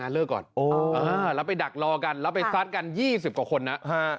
แล้วไปดักรอกันแล้วไปสาร์ตกันยี่สิบกว่าคนน่ะ